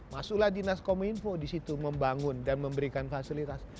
masuklah dinas kominfo di situ membangun dan memberikan fasilitas